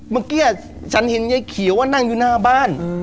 เมื่อกี้ฉันเห็นยายเขียวว่านั่งอยู่หน้าบ้าน